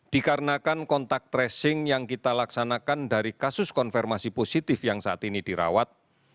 dikarenakan kontak tracing yang kita laksanakan dari kasus konfirmasi positif yang saat ini dirawat